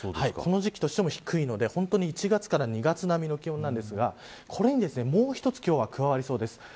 この時期としても低いんで本当に１月２月並みの気温ですがこれにもう一つ加わりそうです。